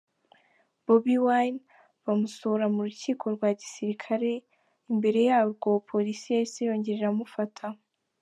Bobi Wine bamusohora mu rukiko rwa gisirikare, imbere yarwo Police yahise yongera iramufata